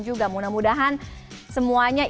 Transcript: juga mudah mudahan semuanya